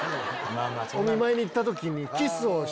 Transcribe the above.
お見舞いに行った時に。